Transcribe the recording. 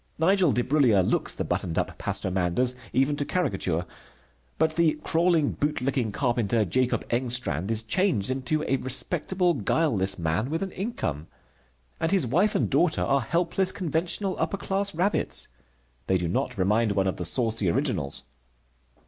Nigel Debrullier looks the buttoned up Pastor Manders, even to caricature. But the crawling, bootlicking carpenter, Jacob Engstrand, is changed into a respectable, guileless man with an income. And his wife and daughter are helpless, conventional, upper class rabbits. They do not remind one of the saucy originals.